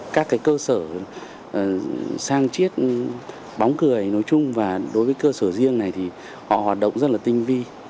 các cơ sở sang chiết bóng cười nói chung và đối với cơ sở riêng này thì họ hoạt động rất là tinh vi